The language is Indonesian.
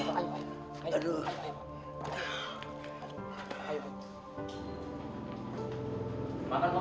biasa anak itu seluruh cuaca